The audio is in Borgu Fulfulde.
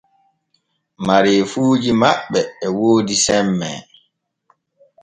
Mareefuuji maɓɓe e woodi semme.